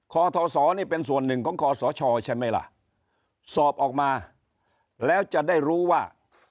ทศนี่เป็นส่วนหนึ่งของคอสชใช่ไหมล่ะสอบออกมาแล้วจะได้รู้ว่า